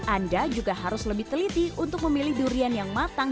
anda juga harus lebih teliti untuk memilih durian yang matang